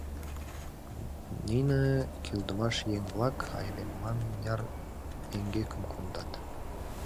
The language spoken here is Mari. Нине кӱлдымаш еҥ-влак айдемылан мыняр эҥгекым кондат...